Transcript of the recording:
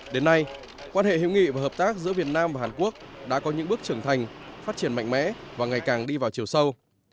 đến nay quan hệ hiệu nghị và hợp tác giữa việt nam và hàn quốc đã có những bước trưởng thành phát triển mạnh mẽ và ngày càng đi vào chiều sâu